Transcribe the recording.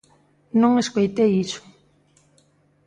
Non escoitei iso.